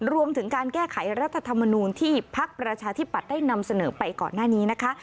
รวมถึงการแก้ไขรัฐธรรมนูลที่พักประชาธิปัตย์ได้นำเสนอไปก่อนหน้านี้นะคะ